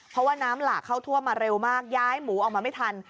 เพราะว่าน้ำหลากเข้าท่วมมาเร็วมากย้ายหมูออกมาไม่ทัน